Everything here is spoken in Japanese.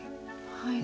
はい。